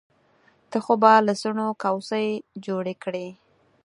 ته خو به له څڼو کوڅۍ جوړې کړې.